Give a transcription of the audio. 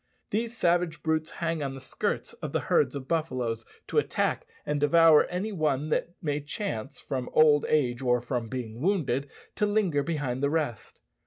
These savage brutes hang on the skirts of the herds of buffaloes to attack and devour any one that may chance, from old age or from being wounded, to linger behind the rest.